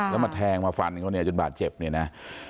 แล้วมาแทงมาฟันเขาเนี่ยจนบาดเจ็บเนี่ยนะ